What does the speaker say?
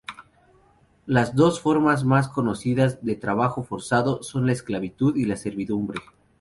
Las dos formas más conocidas de trabajo forzado son la esclavitud y la servidumbre.